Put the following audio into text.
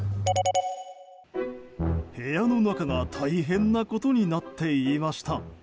部屋の中が大変なことになっていました。